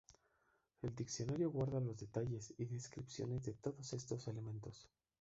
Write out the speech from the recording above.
El diccionario guarda los detalles y descripciones de todos estos elementos.